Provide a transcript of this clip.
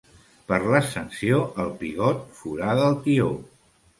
Per l'Ascensió el pigot forada el tió.